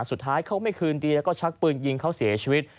สุดท้ายเขาไม่คืนดีแล้วก็ชักปืนยิงเขาเสียชีวิต